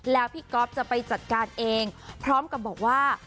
แล้วพี่ก๊อฟจะไปจัดการเองพร้อมกับบอกว่า